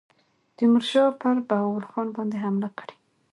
تیمورشاه پر بهاول خان باندي حمله کړې.